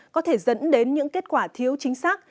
có thể dẫn đến những kết quả thiếu chính xác